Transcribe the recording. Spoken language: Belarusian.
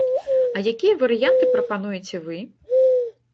А якія варыянты прапануеце вы?